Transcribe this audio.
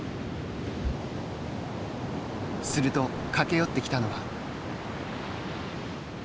すると、駆け寄ってきたのは。